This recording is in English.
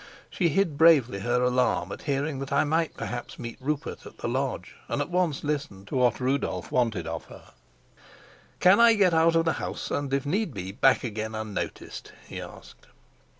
She hid bravely her alarm at hearing that I might perhaps meet Rupert at the lodge, and at once listened to what Rudolf wanted of her. "Can I get out of the house, and, if need be, back again unnoticed?" he asked.